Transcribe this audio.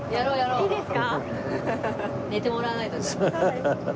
いいですか？